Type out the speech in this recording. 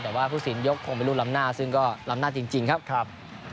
แต่ว่าผู้สินยกคงเป็นลูกล้ำหน้าซึ่งก็ล้ำหน้าจริงครับ